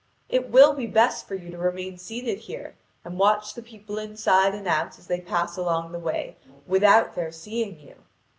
It will be best for you to remain seated here, and watch the people inside and out as they pass along the way without their seeing you.